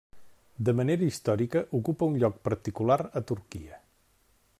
De manera històrica, ocupa un lloc particular a Turquia.